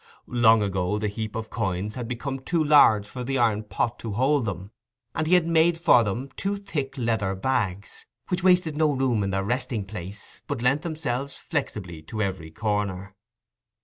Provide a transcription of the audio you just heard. Long ago the heap of coins had become too large for the iron pot to hold them, and he had made for them two thick leather bags, which wasted no room in their resting place, but lent themselves flexibly to every corner.